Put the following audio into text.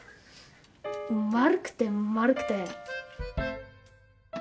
丸くて丸くて。